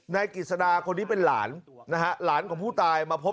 นายกิจสดาคนนี้เป็นหลานนะฮะหลานของผู้ตายมาพบ